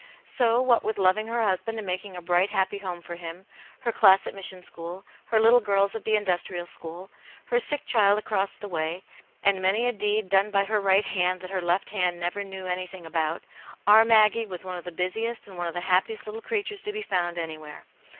So, what with loving her husband and making a bright, happy home for him, her class at mission school, her little girls at the industrial school, her sick child across the way, and many a deed done by her right hand that her left hand never knew any thing about, " our Maggie " was one of the busiest and one of the happiest little creatures to be found anywhere.